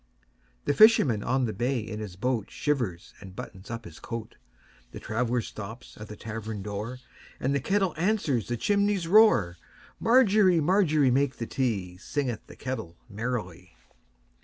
The fisherman on the bay in his boatShivers and buttons up his coat; The traveller stops at the tavern door, And the kettle answers the chimney's roar. Margery, Margery, make the tea, Singeth the kettle merrily.